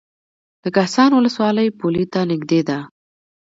د کهسان ولسوالۍ پولې ته نږدې ده